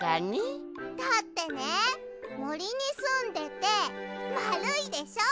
だってねもりにすんでてまるいでしょ？